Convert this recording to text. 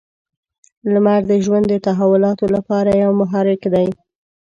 • لمر د ژوند د تحولاتو لپاره یو محرک دی.